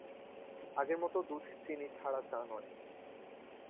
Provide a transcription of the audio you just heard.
আগের মতো দুধ-চিনি ছাড়া চা নয়।